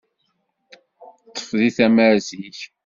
Ṭṭef di tamart-ik!